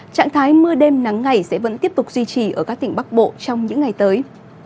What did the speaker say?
trạng thái mưa đêm nắng ngày sẽ vẫn tiếp tục duy trì ở các tỉnh bắc bộ trong những ngày tới